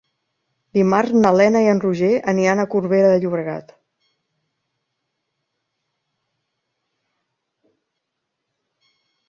Dimarts na Lena i en Roger aniran a Corbera de Llobregat.